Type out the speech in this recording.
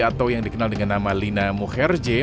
atau yang dikenal dengan nama lina mukherje